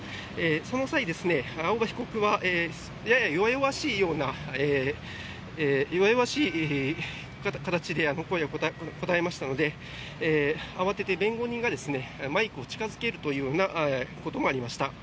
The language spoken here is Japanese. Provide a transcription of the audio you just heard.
その際、青葉被告はやや弱々しい形で答えましたので慌てて弁護人がマイクを近付けるというようなこともありました。